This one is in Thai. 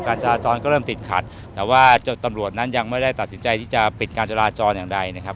จราจรก็เริ่มติดขัดแต่ว่าตำรวจนั้นยังไม่ได้ตัดสินใจที่จะปิดการจราจรอย่างใดนะครับ